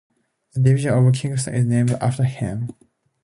The Division of Kingston is named after him.